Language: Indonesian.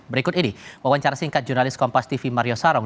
berikut ini wawancara singkat jurnalis kompas tv mario sarong